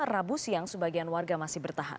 rabu siang sebagian warga masih bertahan